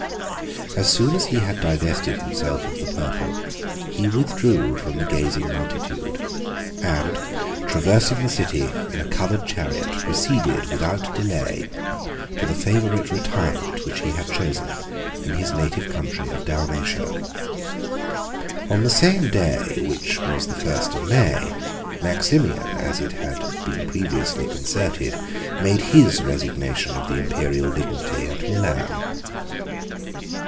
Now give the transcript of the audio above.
As soon as he had divested himself of his purple, he withdrew from the gazing multitude; and traversing the city in a covered chariot, proceeded, without delay, to the favorite retirement which he had chosen in his native country of Dalmatia. On the same day, which was the first of May, 109 Maximian, as it had been previously concerted, made his resignation of the Imperial dignity at Milan.